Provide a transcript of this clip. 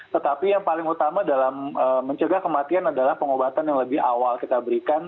tetapi yang paling utama dalam mencegah kematian adalah pengobatan yang lebih awal kita berikan